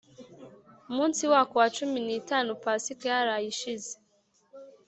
Munsi wako wa cumi n itanu pasika yaraye ishize